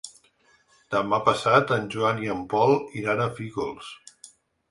Demà passat en Joan i en Pol iran a Fígols.